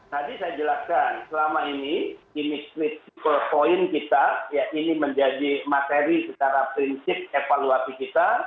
tadi saya jelaskan selama ini ini critical point kita ya ini menjadi materi secara prinsip evaluasi kita